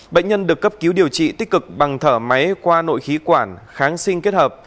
bệnh nhân được cấp cứu điều trị tích cực bằng thở máy qua nội khí quản kháng sinh kết hợp